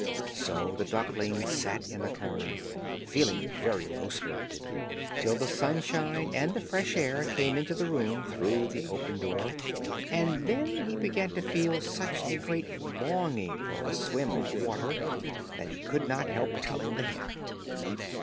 So the duckling sat in a corner, feeling very low spirited, till the sunshine and the fresh air came into the room through the open door, and then he began to feel such a great longing for a swim on the water, that he could not help telling the hen.